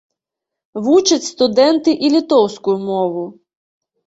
Вучаць студэнты і літоўскую мову.